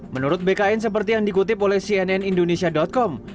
menurut bkn seperti yang dikutip oleh cnnindonesia com